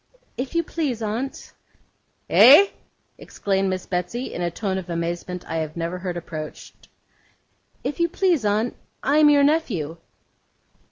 'If you please, aunt.' 'EH?' exclaimed Miss Betsey, in a tone of amazement I have never heard approached. 'If you please, aunt, I am your nephew.